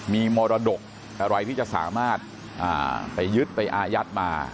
มีมรดกอะไรที่จะสามารถไปยึดไปอายัดมา